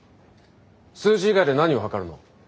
数字以外で何を測るの？